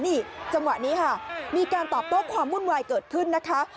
นี่จังหวะนี้ค่ะมีการตอบโต้ความวุ่นวายเกิดขึ้นนะคะ